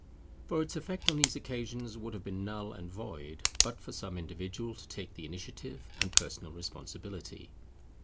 For its effect on these occasions would have been null and void but for some individual to take the initiative and personal responsibility.